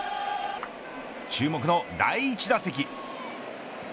注目の第１打席。